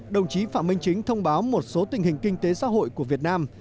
đồng chí phạm minh chính thông báo một số tình hình kinh tế xã hội của việt nam